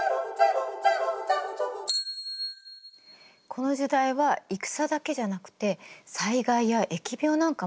この時代は戦だけじゃなくて災害や疫病なんかもあったの。